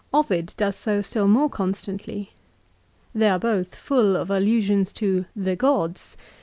Ovid does so still more constantly. They are both full of allusions to " the gods."